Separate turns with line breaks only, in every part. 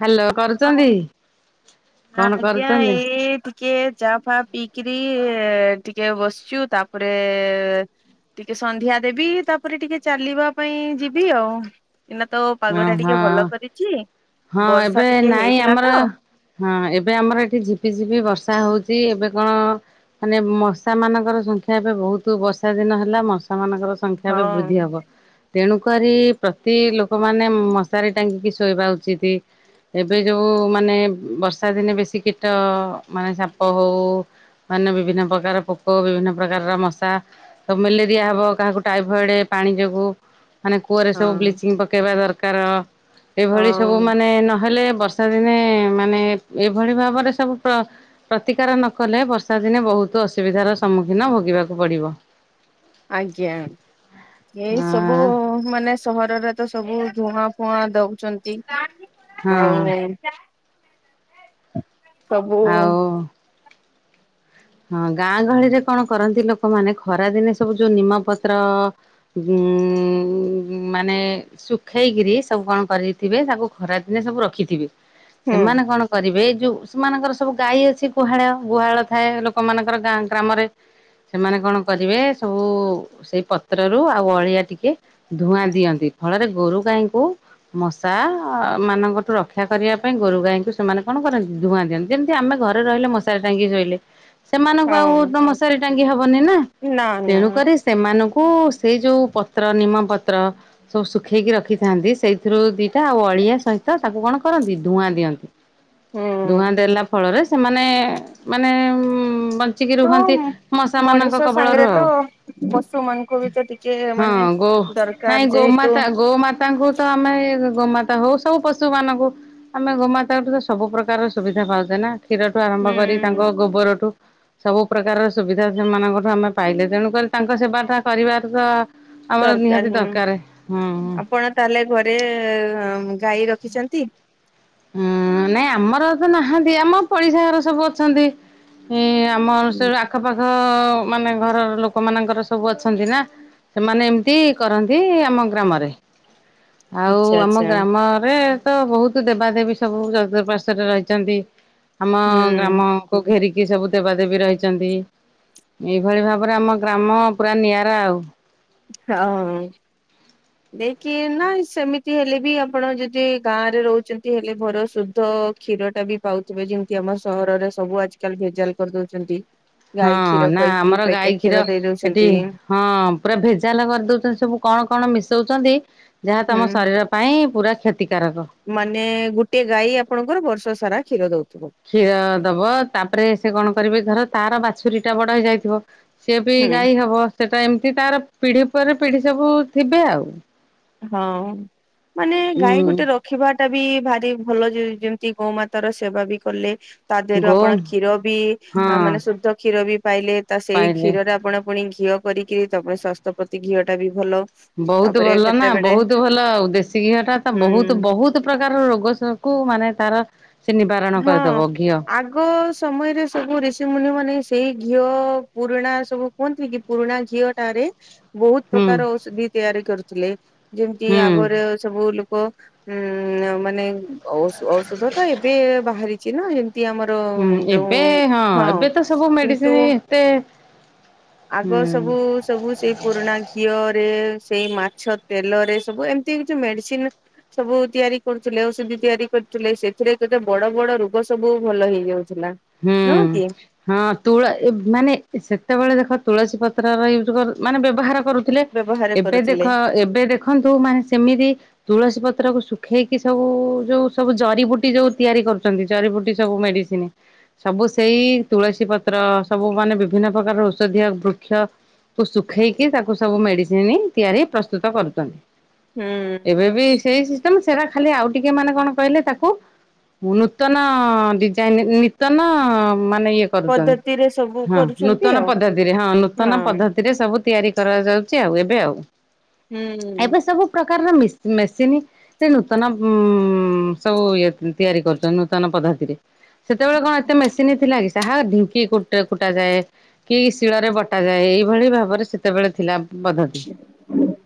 Hello କରୁଛନ୍ତି କଣ
ଆଜ୍ଞା
କରୁଛନ୍ତି
ଏ ଟିକେ ଚା ଫା ପିଇକିରି ଟିକେ ବସଛୁ ତାପରେ ଟିକେ ସନ୍ଧ୍ୟା ଦେବି, ତାପରେ ଟିକେ ଚାଲିବା ପାଇଁ ଯିବି ଆଉ ଏଇନା ତ
ହଁ
ପାଗ ଟା
ହଁ
ଟିକେ ଭଲ କରିଛି
ହଁ
ବର୍ଷା
ଏବେ
ଟିକେ
ନାଇଁ
ହେଇଥିଲା
ଆମର
ତ
ହଁ ଏବେ ଆମର ଏଠି ଝିପି ଝିପି ବର୍ଷା ହଉଛି, ଏବେ କଣ ମାନେ ମଶା ମାନଙ୍କର ସଂଖ୍ୟା ଏବେ ବହୁତ ବର୍ଷା ଦିନ ହେଲା ମଶା ମାନଙ୍କର ସଂଖ୍ୟା ଏବେ ବୃଦ୍ଧି
ହଁ।
ହବ, ତେଣୁ କରିରି ପ୍ରତି ଲୋକ ଲୋକମାନେ ମଶାରୀ ଟାଙ୍ଗିକି ଶୋଇବା ଉଚିତ। ଏବେ ଯୋଉ ମାନେ ବର୍ଷା ଦିନେ ବେଶୀ କୀଟ ମାନେ ସାପ ହଉ ମାନେ ବିଭିନ୍ନ ପ୍ରକାର ପୋକ, ବିଭିନ୍ନ ପ୍ରକାରର ମଶା ତ ମ୍ୟାଲେରିଆ ହେବ କାହାକୁ ଟାଇଫଏଡ଼୍ ପାଣି ଯୋଗୁଁ। ମାନେ କୂଅରେ ସବୁ
ହଁ
ବ୍ଲିଚିଂ ପକେଇବା ଦରକାର। ଏଭଳି ସବୁ
ହଁ
ମାନେ ନହେଲେ ବର୍ଷା ଦିନେ ମାନେ ଏଭଳି ଭାବରେ ସବୁ ପ୍ର ପ୍ରତିକାର ନକଲେ ବର୍ଷାଦିନେ ବହୁତ ଅସୁବିଧାର ସମ୍ମୁଖୀନ ଭୋଗିବାକୁ ପଡ଼ିବ।
ଆଜ୍ଞା ଏ
ଆ
ସବୁ ସବୁ ମାନେ ସହରରେ ତ ସବୁ ଧୂଆଁ ଫୁଆଁ ଦଉଚନ୍ତି।
ହଁ
ଆଉ ସବୁ
ଆଉ ହଁ ଗାଁ ଗହଳିରେ କଣ କରନ୍ତି ଲୋକମାନେ ଖରାଦିନେ ସବୁ ଯୋଉ ନିମପତ୍ର ଗୁଁ ମାନେ ଶୁଖେଇକିରି ସବୁ କଣ କରେଇଥିବେ ତାକୁ ଖରା ଦିନେ ସବୁ ରଖିଥିବେ।
ହୁଁ
ସେମାନେ କଣ କରିବେ ଏଇ ଯୋଉ ସେମାନଙ୍କର ସବୁ ଗାଈ ଅଛି ଗୁହାଳ-ଗୁହାଳ ଥାଏ ଲୋ କ ମାନଙ୍କର ଗାଁ ଗ୍ରାମରେ ସେମାନେ କଣ କରିବେ ସବୁ ସେଇ ପତ୍ରରୁ ଆଉ ଅଳିଆ ଟିକେ ଧୂଆଁ ଦିଅନ୍ତି ଫଳରେ ଗୋରୁ ଗାଈଙ୍କୁ ମଶା ମାନଙ୍କଠୁ ରକ୍ଷା କରିବା ପାଇଁ ଗୋରୁ ଗାଈଙ୍କୁ ସେମାନେ କଣ କରନ୍ତି ଧୂଆଁ ଦିଅନ୍ତି। ଯେମ୍ତି ଆମେ ଘରେ ରହିଲେ ମଶାରୀ ଟାଙ୍ଗିକି ଶୋଇଲେ। ସେମାନଙ୍କୁ
ହଁ
ଆଉ ତ ମଶାରୀ ଟାଙ୍ଗି ହବନି ନା
ନା ନା
ତେଣୁକରି ସେମାନଙ୍କୁ ସେଇ ଯୋଉ ପତ୍ର ନିମପତ୍ର ସବୁ ଶୁଖେଇକି ରଖିଥାନ୍ତି ସେଇଥିରୁ ଦିଟା ଆଉ ଅଳିଆ ସହିତ ତାକୁ କଣ କରନ୍ତି ଧୂଆଁ ଦିଅନ୍ତି।
ହୁଁ।
ଧୂଆଁ ଦେଲା ଫଳରେ ସେମାନେ ମାନେ ଉଁ ବନ୍ ଚିକି
ହଁ
ରୁହନ୍ତି ମଶା ମାନଙ୍କ
ମଣିଷ
କବଳରୁ
ସାଙ୍ଗରେ ତ
ଆଉ।
ପଶୁ ମାନଙ୍କୁ ବି ତ ଟିକେ
ହଁ
ମାନେ
ଗୋ ନାଇଁ
ଦରକାର ଯେହେତୁ
ଗୋମାତା ଗୋମାତାଙ୍କୁ ତ ଆମେ ଗୋମାତା ହଉ ସବୁ ପଶୁ ମାନଙ୍କୁ ଆମେ ଗୋମାତାଙ୍କଠୁ ତ ସବୁ ପ୍ରକାରର ସୁବିଧା ପାଉଛେ ନା କ୍ଷୀରଠୁ ଆରମ୍
ହୁଁ
କରି
ହୁଁ।
ତାଙ୍କ ଗୋବରଠୁ ସବୁ ପ୍ରକାରର ସୁବିଧା ସେମାନଙ୍କଠୁ ଆମେ ପାଇଲେ, ତେଣୁକରି ତାଙ୍କ ସେବାଟା କରିବାର ତ ଆମର
ଦରକାର
ନିହାତି
ହୁଁ
ଦରକାରେ ହାଁ।
ଆପଣ ତାହେଲେ ଘରେ ଗାଈ ରଖିଛନ୍ତି?
ହୁଁ ନାଇଁ ଆମର ତ ନାହାନ୍ତି, ଆମ ପଡିଶା ଘର ସବୁ ଅଛନ୍ତି। ହେଁ ଆମର ସେଡୁ ଆଖପାଖ ମାନେ ଘରର ଲୋକମାନଙ୍କର ସବୁ ଅଛନ୍ତି ନା। ସେମାନେ ଏମ୍ତି କରନ୍ତି ଆମ ଗ୍ରାମରେ। ଆଉ
ଆଚ୍ଛା
ଆମ
ଆଚ୍ଛା।
ଗ୍ରାମରେ ତ ବହୁତ୍ ଦେବ୍ ବା ଦେବୀ ସବୁ ଚତୁର୍ପାଶ୍ୱରେ ରହିଛନ୍ତି ଆମ
ହୁଁ
ଗ୍ରାମକୁ ଘେରି କି ସବୁ ଦେବାଦେବୀ ରହିଛନ୍ତି, ଏଇଭଳି ଭାବରେ ଆମ ଗ୍ରାମ ପୁରା ନିଆରା ଆଉ।
ହଁ। ଦେଇକି ନାଇଁ ସେମିତି ହେଲେ ବି ଆପଣ ଯଦି ଗାଁ ରେ ରହୁଛନ୍ତି ହେଲେ ଭର ଶୁଦ୍ଧ କ୍ଷୀରଟା ବି ପାଉଥିବେ ଯେମିତି ଆମ ସହରରେ ସବୁ ଆଜିକାଲି ଭେଜାଲ୍ କରିଦଉଛନ୍ତି।
ହଁ
ଗାଈ କ୍ଷୀର
ନାଁ
କହିକି
ଆମର
ପ୍ୟାକେଟ
ଗାଈ କ୍ଷୀର
ଦେଇ
ଏଠି
ଦଉଛନ୍ତି
ହଁ ପୁରା ଭେଜାଲ କରିଦଉଚନ୍ତି ସବୁ କଣ-କଣ ମିଶଉଚନ୍ତି ଯାହା ତମ
ହୁଁ।
ଶରୀର ପାଇଁ ପୁରା କ୍ଷତିକାରକ।
ମାନେ ଗୋଟିଏ ଗାଈ ଆପଣଙ୍କର ବର୍ଷ ସାରା କ୍ଷୀର ଦଉଥିବ।
କ୍ଷୀର ଦବ ତାପରେ ସେ କଣ କରିବେ ଧର ତାର ବାଛୁରୀଟା ବଡ ହେଇଯାଇଥିବ ସିଏ ବି
ହୁଁ।
ଗାଈ ହବ ସେଟା ଏମିତି ତାର ପିଢି ପରେ ପିଢି ସବୁ ଥିବେ ଆଉ।
ହଁ ମାନେ ଗାଈ
ଉଁ
ଗୋଟେ ର ଖିବାଟା ବି ଭାରି ଭଲ ଯେମତି ଗୋମାତା ର ସେବା ବି କଲେ ତା ଦେହରୁ
ଗୋ
ଆପଣ କ୍ଷୀର ବି
ହଁ
ମାନେ ଶୁଦ୍ଧ କ୍ଷୀର ବି ପାଇଲେ ତା ସେଇ
ପାଇଲେ
କ୍ଷୀରରେ ଆପଣ ପୁଣି ଘିଅ କରିକି ତାପରେ ସ୍ୱାସ୍ଥ୍ୟ ପ୍ରତି ଘିଅଟା ବି ଭଲ।
ବହୁତ୍
ତାପରେ
ଭଲ ନା
କେତେବେଳେ
ବହୁତ୍ ଭଲ ଦେଶୀ ଘିଅଟା ତ ବହୁତ୍ ବ
ହୁଁ।
ବହୁତ୍ ପ୍ରକାରର ରୋଗ ସ କୁ ମାନେ ତାର ସେ ନିବାରଣ
ହଁ
କରିଦବ ଘିଅ
ଆଗ୍ ଗ ସମୟରେ ସବୁ ଋଷିମୁନି ମାନେ ସେଇ ଘିଅ ପୁରୁଣା ସବୁ କୁହନ୍ତିନିକି ପୁରୁଣା ଘିଅଟାରେ ବହୁତ
ହୁଁ
ପ୍ରକାର ଔଷଧି ତିଆରି କରୁଥିଲେ ଯେମିତି
ହୁଁ।
ଆଗରେ ସବୁ ଲୋକ ଉଁ ମାନେ ଔ ଔଷଧ ତ ଏବେ ବାହାରିଚି ନା ଏମ୍ତି ଆମର
ହୁଁ
ଯୋଉ
ଏବେ ହଁ ଏବେ ତ ସବୁ ମେଡିସିନ୍
କିନ୍ତୁ
ଏତେ ହୁଁ
ଆଗ ସବୁ ସବୁ ସେଇ ପୁରୁଣା ଘିଅରେ ସେଇ ମାଛ ତେଲରେ ସବୁ ଏମିତି କିଛି ମେଡିସିନ ସବୁ ତିଆରି କରୁଥିଲେ ଔଷଧି ତିଆରି କରୁଥିଲେ ସେଥିରେ କେତେ ବଡ ବଡ ରୋଗ ସବୁ ଭଲ ହେଇଯାଉଥିଲା।
ହୁଁ।
ନୁହଁ କି
ହଁ ତୁଳା ଏ ମାନେ ସେତେବେଳେ ଦେଖ ତୁଳସୀ ପତ୍ରର ୟୁଜ କରୁ ମାନେ ବ୍ୟବହାର କରୁ ଥିଲେ
ବ୍ୟବହାର
ଏବେ
କରୁଥିଲେ
ଦେଖ ଏବେ ଦେଖନ୍ତୁ ମାନେ ସେମିତି ତୁଳସୀ ପତ୍ର କୁ ଶୁଖେଇକି ସବୁ ଯୋଉ ସବୁ ଜରିିବୁଟି ଯୋଉ ତିଆରି କରୁଚନ୍ତି ଜରିିବୁଟି ସବୁ ମେଡିସିନି। ସବୁ ସେଇ ତୁଳସୀ ପତ୍ର ସବୁ ମାନେ ବିଭିନ୍ନ ପ୍ରକାର ଔଷଧୀୟ ବୃକ୍ଷ କୁ ଶୁଖେଇକି ତାକୁ ସବୁ ମେଡିସିନି ତିଆରି ପ୍ରସ୍ତୁତ କରୁଚନ୍ତି।
ହୁଁ
ଏବେ ବି ସେଇ ସିଷ୍ଟମ ସେଟା ଖାଲି ଆଉ ଟିକେ ମାନେ କଣ କହିଲେ ତାକୁ [unintelligible] ନୂତନ ଡିଜାଇନ ନିତନ ମାନେ ଇଏ କରୁଚନ୍ତି
ପଦ୍ଧତିରେ ସବୁ
ହଁ
କରୁଛନ୍ତି
ନୂତନ
ଆଉ
ପଦ୍ଧତିରେ ହଁ ନୂତନ
ହଁ
ପଦ୍ଧ ଥିରେ ସବୁ ତିଆରି କରାଯାଉଚି ଆଉ ଏବେ ଆଉ
ହୁଁ।
ଏବେ ସବୁ ପ୍ରକାରର ମିସି ମେସିନ ସେ ନୂତନ ଉ ସବୁ ଇଏ ତିଆରି କରୁଚନ୍ତି ନୂତନ ପଦ୍ଧତିରେ। [unintelligible] ବେଳେ କଣ ଏତେ ମେସିନ ଥିଲା କି ସାହା ଢିଙ୍କି କୁଟା କୁଟା ଯାଏ। କି ଶିଳରେ ବଟାଯାଏ ଏଇଭଳି ଭାବରେ ସେତେବେଳେ ଥିଲା ବଦ୍ଧତି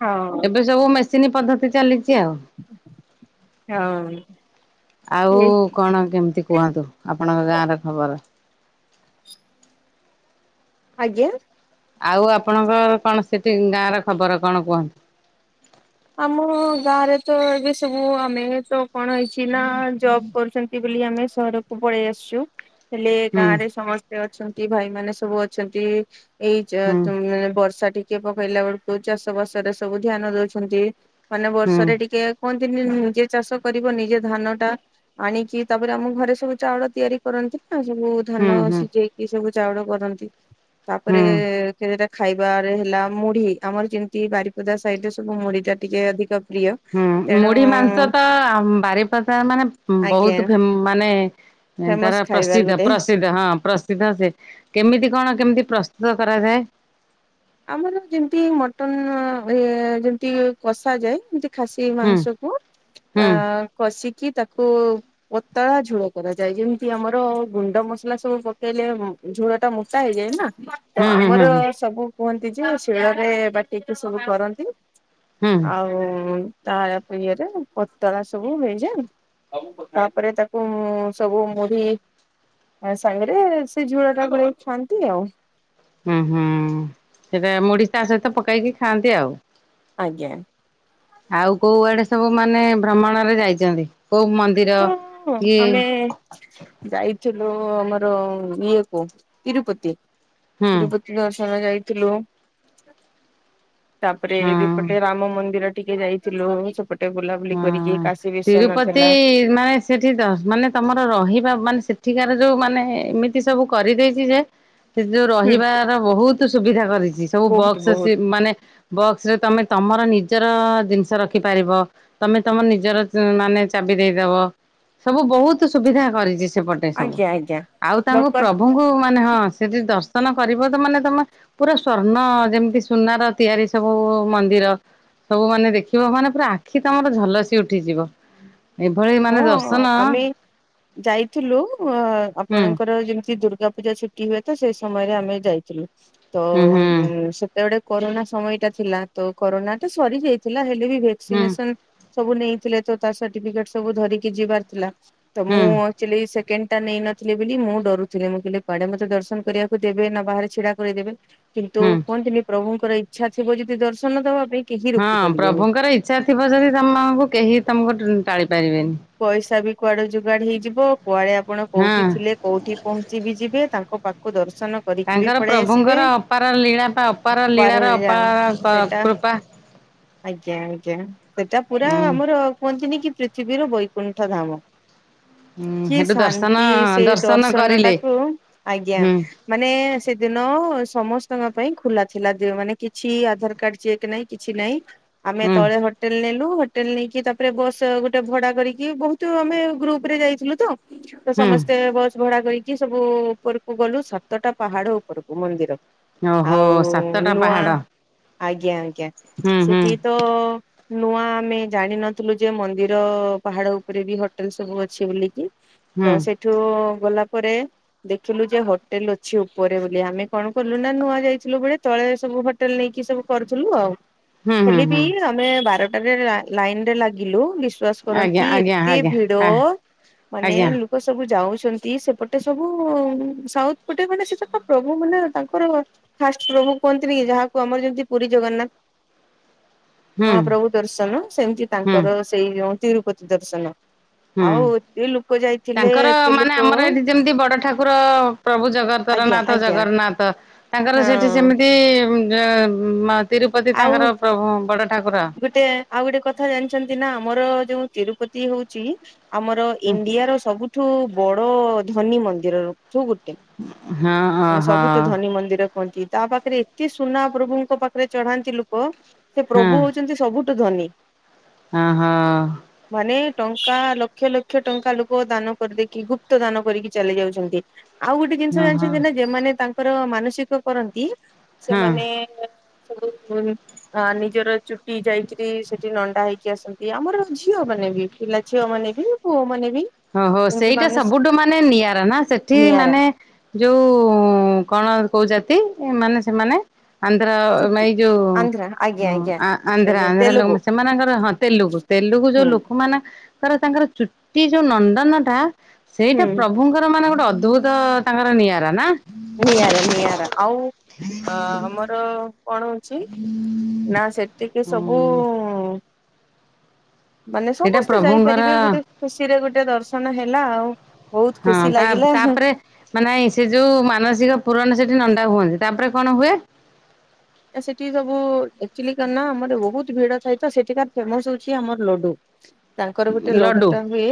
ହଁ।
ଏବେ ସବୁ ମେସିନ ପଦ୍ଧତି ଚାଲିଚି ଆଉ।
ହଁ
ଆଉ
ଏଇ
କଣ କେମିତି କୁହନ୍ତୁ। ଆପଣଙ୍କ ଗାଁର ଖବର।
ଆଜ୍ଞା।
ଆଉ ଆପଣଙ୍କ କଣ ସେଠି ଗାଁ ର ଖବର କଣ କୁହନ୍ତୁ।
ଆମ ଗାଁ ରେ ତ ଏବେ ସବୁ ଆମେ ତ କଣ ହେଇଛି ନା ଜବ୍ କରୁଚନ୍ତି [unintelligible] ଆମେ ସହରକୁ ପଳେଇ ଆସଚୁ ହେଲେ
ହୁଁ
ଗାଁ ରେ ସମସ [unintelligible] ଅଛନ୍ତି ଭାଇମାନେ ସବୁ ଅଛନ୍ତି ଏଇ ଜ
ହୁଁ
ତୁ ମାନେ ବର୍ଷା ଟି କିଏ ପକେଇଲା ବେଳକୁ ଚାଷ ବାସ ରେ ସବୁ ଧ୍ୟାନ ଦଉଚନ୍ତି ମାନେ
ହୁଁ
ବର୍ଷରେ ଟିକେ କୁହନ୍ତିନି ଯିଏ ଚାଷ କରିବ ନିଜେ ଧାନ ଟା ଆନିକି ତାପରେ ଆମ ଘରେ ସବୁ ଚାଉଳ ତିଆରି କରନ୍ତି ନା ସବୁ ଧାନ
ହୁଁ ହୁଁ
ସିଝେଇକି ସବୁ ଚାଉଳ କରନ୍ତି ତାପରେ
ହୁଁ।
[unintelligible] ଖାଇବାରେ ହେଲା ମୁଢି ଆମର ଯେମିତି ବାରିପଦା ସାଇଡରେ ସ ମୁଢି ଟା ଟିକେ ଅଧିକ ପ୍ରିୟ।
ହୁଁ
ତେଣୁ
ମୁଢି ମାଂସ ତ ଆ ମ ବାରିପଦା ମାନେ
ଆଜ୍ଞା
ବହୁତ ଫେମ ମାନେ [unintelligible]
ଫେମସ
ତାର
ଖାଇବା
ପ୍ରସିଦ୍ଧ
ଗୋଟେ
ପ୍ରସି ହଁ ପ୍ରସିଦ୍ଧ ଯେ କେମିତି କଣ କେମିତି ପ୍ରସ୍ତୁତ କରାଯାଏ?
ଆମର ଯେମିତି ମଟନ ହଏ ଯେମତି କଷା ଯାଏ ଖାସି
ହୁଁ
ମାଂସକୁ
ହୁଁ
ଅ କଷିକି ତାକୁ ପତଳା ଝୁଳ କରାଯାଏ ଯେମିତି ଆମର ଗୁଣ୍ଡ ମସଲା ସବୁ ପକେଇଲେ ଝୁଳ ଟା ମୁଟା ହେଇଯାଏ ନା ତ
ହୁଁ ହୁଁ ହୁଁ
ଆମର
ହୁଁ
ସବୁ କୁହନ୍ତି ଯେ ଶିଳରେ ବାଟିକି ସବୁ କରନ୍ତି।
ହୁଁ
ଆଉ ତା [unintelligible] ଇଏରେ ପତଳା ସବୁ ହେଇଯାଏ। ତାପରେ ତାକୁ ସବୁ ମୁଢି ଆ ସାଙ୍ଗରେ ସେ ଝୁଳ ଟା ଗୋଳେଇ ଖାଆନ୍ତି ଆଉ।
ହୁଁ ହୁଁ ସେଇଟା ମୁଢି ତା ସହିତ ପକେଇକି ଖାଆନ୍ତି ଆଉ।
ଆଜ୍ଞା।
ଆଉ କୋଉ ଆଡେ ସବୁ ମାନେ ଭ୍ରମଣରେ ଯାଇଚନ୍ତି କୋଉ ମନ୍ଦ
[unintelligible] ଆମେ ଯାଇଥିଲୁ ଆମର ଇଏ କୁ ତିରୁପତି
ହୁଁ
ତିରୁପ ଦର୍ଶନ ଯାଇଥିଲୁ। ତାପରେ
ହୁଁ
ଦିପଟେ ରାମ ମନ୍ଦିର ଟିକେ ଯାଇଥିଲୁ ସ ଟେ ବୁଲାବୁଲି
ହୁଁ।
କରିକି କାଶୀ ବିଶ୍ଵନାଥ
ତିରୁପତି
[unintelligible]
ମାନେ ସେଇଠି ଦ ମାନେ ତୁମର ରହିବା ମାନେ ସେଠିକାର ଯେଉଁ ମାନେ ଏମିତି ସବୁ କରିଦେଇଚି ଯେ ସେ ଯୋଉ
ହୁଁ
ରହିବାର ବହୁତ ସୁବିଧା କରିଚି ସବୁ
ବହୁତ
ବକ୍ସ
ବହୁତ
ସେ ମାନେ ବକ୍ସ ରେ ତମେ ତମର ନିଜର ଜିନିଷ ରଖିପାରିବ। ତମେ ତମ ନିଜର ମାନେ ଚାବି ଦେଇଦବ। ସବୁ ବହୁତ ସୁବିଧା କରିଚି ସେପଟେ ସବୁ।
ଆଜ୍ଞା ଆଜ୍ଞା।
ଆଉ ତାଙ୍କୁ
ଦରକାର
ପ୍ରଭୁଙ୍କୁ ମାନେ ହଁ ସେଠି ଦର୍ଶନ କରିବ ତ ମାନେ ତମ ପୁରା ସ୍ଵର୍ଣ୍ଣ ଯେମିତି ସୁନାର ତିଆରି ସବୁ ମନ୍ଦିର। ସବୁ ମାନେ ଦେଖିବ ମାନେ ପୁରା ଆଖି ତମର ଝଲସି ଉଠିଯିବ। ଏଭଳି ମାନେ
ହଁ
ଦର୍ଶନ
ଆମେ ଯାଇଥିଲୁ ଅ
ହୁଁ
ଆପଣଙ୍କର ଯେମିତି ଦୁର୍ଗା ପୂଜା ଛୁ ପିଇବେ ତ ସେ ସମୟରେ ଆମେ ଯାଇଥିଲୁ ତ
ହୁଁ ହୁଁ
ଉଁ ସେ ଟେ ଗୋଟେ କରୋନା ସମୟଟା ଥିଲା ତ କରୋନା ତ ସରି ଯାଇଥିଲା ହେଲେ ବି ଭ୍ୟାକ୍
ହୁଁ
ସିନେସନ ସବୁ ନେଇଥିଲେ ତ ତା ସାର୍ଟିଫିକେଟ ସବୁ ଧରିକି ଯିବାର ଥିଲା ତ
ହୁଁ
ମୁଁ ଏକ୍ଟୁଆଲି ସେକେଣ୍ଡଟା ନେଇ ନଥିଲି ବୋଲି ମୁଁ ଡରୁଥିଲି ମୁଁ କହିଲି କୁଆଡେ ମତେ ଦର୍ଶନ କରିବାକୁ ଦେବେ ନା ବାହାରେ ଛିଡା କରେଇଦେବେ। କିନ୍ତୁ
ହୁଁ
କୁହନ୍ତିନି ପ୍ରଭୁଙ୍କର ଇଚ୍ଛା ଥିବ ଯଦି ଦର୍ଶନ ଦବା ପାଇଁ କେହି
ହଁ
ରୋକି ପାରିବେନି।
ପ୍ରଭୁଙ୍କର ଇଚ୍ଛା ଥିବ ଯଦି ତମକୁ କେହି ତମକୁ ଟାଳି ପାରିବେନି।
ପଇସା ବି କୁଆଡେ ଯୁଗାଡ ହେଇଯିବ କୁଆଡେ ଆପଣ
ହଁ
କୋଉଠି ଥିଲେ କୋଉଠି ପହଞ୍ଚିବିି ଯିବେ ତାଙ୍କ ପାଖକୁ ଦର୍ଶନ କରିକି ବି
ତାଙ୍କର
ପଳେଇ ଆସିବେ
ପ୍ରଭୁଙ୍କର ଅପାର ଲୀଳା ବା ଅପାର ଲୀଳାର
ପାରଳା
ଅପାର କ
ସେଇଟା
କୃପା।
ଆଜ୍ଞା ଆଜ୍ଞା ସେଟା ପୁରା
ଉଁ
ଆମର କୁହନ୍ତିନି କି ପୃଥିବୀର ବୈକୁଣ୍ଠ ଧାମ।
ହୁଁ
କି
ହେଠୁ ଦର୍ଶନ
ଶାନ୍ତି ସେଇ ଦର୍ଶନ ଟାକୁ ଆଜ୍ଞା।
ହୁଁ।
ମାନେ ସେଦିନ ସମସ୍ତଙ୍କ ପାଇଁ ଖୋଲା ଥିଲା ମାନେ କିଛି ଆଧାର କାର୍ଡ ଚେକ୍ ନାଇଁ। କିଛି ନାଇଁ ଆମେ
ହୁଁ
ତଳେ ହୋଟେଲ ନେଲୁ ହୋଟେଲ ନେଇକି ତାପରେ ବସ୍ ଗୋ ଟେ ଭଡା କରିକି ବହୁତ ଆମେ ଗ୍ରୁପରେ ଯାଇଥିଲୁ ତ
ହୁଁ
ସମସ୍ତେ ବସ୍‌ ଭଡା କରକି ସବୁ ଉପରକୁ ଗଲୁ ସାତଟା ପାହାଡ ଉପରକୁ ମନ୍ଦିର।
ଓହୋ
ଆଉ
ସାତଟା
ନୂଆ
ପାହାଡ଼
ଆଜ୍ଞା ଆଜ୍ଞା
ହୁଁ ହୁଁ
ସେଠି ତ ନୂଆ ଆମେ ଜାଣିନଥିଲୁ ଯେ ମନ୍ଦିର ପାହାଡ ଉପରେ ବି ହୋଟେଲ ସବୁ ଅଛି ବୋଲିକି।
ହୁଁ
ତ ସେଠୁ ଗଲା ପରେ ଦେଖିଲୁ ଯେ ହୋଟେଲ ଅଛି ଉପରେ ବୋଲି ଆମେ କଣ କଲୁ ନା ନୂଆ ଯାଇଥିଲୁ ବେଳେ ତଳେ ସବୁ ହୋ ହୋଟେଲ ନେଇକି ସବୁ କରୁଥିଲୁ ଆଉ।
ହୁଁ ହୁଁ
ହେଲ ବି
ହୁଁ
ଆମେ ବାରଟାରେ ଲା ଲାଇନରେ ଲାଗିଲୁ ବି ବ୍ରସ
ଆଜ୍ଞା
କରନ୍ତି
ଆଜ୍ଞା
ଏତେ
ଆଜ୍ଞା
ଭିଡ
ଆ
ମାନେ
ଆଜ୍ଞା
ଲୁ ଲୋକ ସବୁ ଯାଉଛନ୍ତି ସେପଟେ ସବୁ ସାଉଥ ପଟେ ମାନେ ସେ ସବୁ ତ ପ୍ରଭୁ ମାନେ ତାଙ୍କର ଫାଷ୍ଟ ପ୍ରଭୁ କୁହନ୍ତିନି କି ଯାହାକୁ ଆମର ଯେମିତି ପୁରୀ ଜଗନ୍ନାଥ
[inaudible]
ମହାପ୍ରଭୁ ଦର୍ଶନ ସେମିତି
ହୁଁ
ତାଙ୍କର ସେଇ ଯୋଉ ତିରୁପତି ଦର୍ଶନ।
ହୁଁ
ଆଉ ଏତେ ଲୋକ ଯାଇଥିଲେ
ତାଙ୍କର
ଏତେ ଲୋକ
ମାନେ ଆମର ଏଠି ଯେମିତି ବଡ ଠାକୁର ପ୍ରଭୁ ଜଗତର
ଆଜ୍ଞା
ନାଥ
ଆଜ୍ଞା।
ଜଗର୍ନାଥ ତାଙ୍କର
ହଁ
ସେଠି ସେମିତି ଜୟ ମା ତିରୁପତି
ଆଉ
ତାଙ୍କର ପ୍ରଭୁ ବଡ଼ ଠାକୁର।
ଗୋଟେ ଆଉ ଗୋଟେ କଥା ଜାଣିଛନ୍ତି ନା ଆମର ଯୋଉ ତିରୁପତି ହଉଛି ଆମର ଇଣ୍ଡିଆର ସବୁ ଠୁ ବଡ ଧନୀ ମନ୍ଦିରରଠୁ ଗୋଟେ।
ହଁ
ମାନେ
ଓହୋ
ସବୁଠୁ ଧନୀ ମନ୍ଦିର କୁହନ୍ତି। ତା ପାଖରେ ଏତେ ସୁନା ପ୍ରଭୁଙ୍କ ପାଖରେ ଚଢାନ୍ତି ଲୁକ ସେ
ହଁ
ପ୍ରଭୁ ହଉଛନ୍ତି ସବୁଠୁ ଧନୀ।
ହଁ ହ।
ମାନେ ଟଙ୍କା ଲକ୍ଷ ଲକ୍ଷ ଟଙ୍କା ଲୋକ ଦାନ କରିଦେଇକି ଗୁପ୍ତ ଦାନ କରିକି ଚାଲି ଯାଉଛନ୍ତି। ଆଉ ଗୋଟେ ଜିନିଷ
ହଁ ହଁ
ଜାଣିଛନ୍ତି ନା ଯେମାନେ ତାଙ୍କର ମାନସିକ କରନ୍ତି
ହଁ
ସେମାନେ [unintelligible] ଆ ନିଜର ଚୁଟି ଯାଇକିରି ସେଠି ନଣ୍ଡା ହେଇକି ଆସନ୍ତି ଆମର ଝିଅ ମାନେ ବି। ପିଲା ଝିଅ ମାନେ ବି ପୁଅ ମାନେ ବି।
ଅ ହ
ଏମତି
ସେଇଟା
ମାନସ
ସବୁଠୁ ମାନେ ନିଆରା ନା ସେଠି
ନିଆରା
ମାନେ ଯୋଉ କଣ କୋଉ ଜାତି ମାନେ ସେମାନେ? ଆନ୍ଧ୍ର
ଚୁଟି
ମାଇ ଯୋଉ
ଆନ୍ଧ୍ରା ଆଜ୍ଞା
ହଁ
ଆଜ୍ଞା
ଆ
ଏ
ଆନ୍ଧ୍ରା
ଯୋଉ
ଆନ୍ଧ୍ରା
ତେଲୁଗୁ
ଲୋକମା ସେମାନଙ୍କର ହଁ ତେଲୁଗୁ ତେଲୁଗୁ ଯୋଉ
ହୁଁ
ଲୋକମାନେ କର ତାଙ୍କର ଚୁ ଯୋଉ ନନ୍ଦନ ଟା ସେଇଟା
ହୁଁ
ପ୍ରଭୁଙ୍କର ମାନେ ଗୋଟେ ଅଦ୍ଭୁତ ତାଙ୍କର ନିଆରା ନା?
ନିଆରା ନିଆରା ଆଉ ଅ ଆମର କଣ ହଉଛି ନା ସେତିକି ସବୁ ମାନେ
ସେଇଟା
ସମସ୍ତେ
ପ୍ରଭୁଙ୍କର
ଯାଇପାରିବେ, ଗୋଟେ ଖୁସିରେ ଗୋଟେ ଦର୍ଶନ ହେଲା ଆଉ ବହୁତ ଖୁସି ଲାଗିଲା ହଁ।
ନାଇଁ ସେ ଯୋଉ ମାନସିକ ପୁରଣ ସେଠି ନଣ୍ଡା ହୁଅନ୍ତି, ତାପରେ କଣ ହୁଏ?
ସେଠି ସବୁ ଆକ୍ଚୁଲି କଣ୍ ନା ଆମର ବହୁତ ଭିଡ ଥାଏ ତ ସେଠିକା ଫେମସ ହଉଛି ଆମର ଲଡୁ।
[inaudible]
ତାଙ୍କର ଗୋଟେ
ଲଡୁ
ଲଡୁଟା ହୁଏ,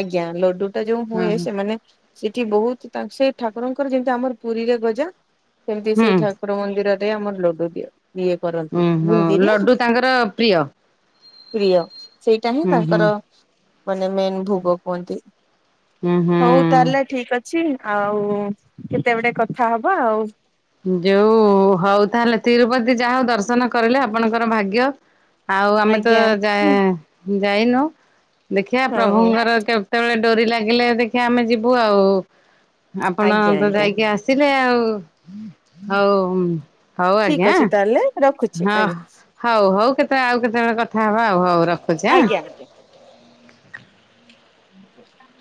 ଆଜ୍ଞା। ଲଡୁଟା ଯୋଉ
ହୁଁ
ହୁଏ
ହୁଁ
ସେମାନେ ସେଠି ବହୁତ ତା ସେ ଠାକୁରଙ୍କର ଯେମିତି ଆମର ପୁରୀରେ ଗଜା, ସେମତି ସେଇ
ହୁଁ।
ଠା ମନ୍ଦିରରେ ଆମର ଲଡୁ ଦିଏ ଇଏ
ଉୁଁ
କରନ୍ତି,
ହୁଁ
ବୁନ୍ଦିରେ
ଲଡୁ ତାଙ୍କର ପ୍ରିୟ
ପ୍ରିୟ, ସେଇଟା ହିଁ
ହୁଁ ହୁଁ
ତାଙ୍କର ମାନେ, ମେନ ଭୋଗ କୁହନ୍ତି।
ହୁଁ
ହଉ ତାହେଲେ
ହୁଁ।
ଠିକ ଅଛି, ଆଉ କେତେବେଳେ କଥା ହବା ଆଉ।
ଯୋଉ ହଉ ତାହେଲେ ତିରୁପତି ଯାହା ହଉ ଦର୍ଶନ କରିଲେ ଆପଣଙ୍କର ଭାଗ୍ୟ। ଆଉ ଆମେ ତ
ଆଜ୍ଞା।
ଯା-ଯାଇନୁ ଦେଖିବା
ହଁ
ପ୍ରଭୁଙ୍କର କେ କେତେବେଳେ ଡୋରି ଲାଗିଲେ ଦେଖିବା ଆମେ ଯିବୁ ଆଉ, ଆପଣ
ଆଜ୍ଞା
ତ
ଆଜ୍ଞା
ଯାଇକି ଆସ୍‌ ସିଲେ ଆଉ ହଉ ଉଁ।
ଠିକ ଅଛି ତାହେଲେ ରଖୁଛି।
ହଁ
ଆଜ୍ଞା
ହଉ ହଉ କେତେବେଳେ ଆଉ କେତେବେଳେ କଥା ହବା ଆଉ ହଉ ରଖୁଛି ଆଁ।
ଆଜ୍ଞା। [unintelligible]